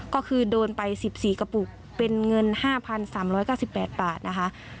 ก็คือโดนไป๑๔กระปุกเป็นเงิน๕๓๙๘บาทนะคะ